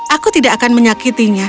aku tidak akan menyakitinya